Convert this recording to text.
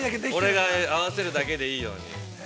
◆俺が合わせるだけでいいように。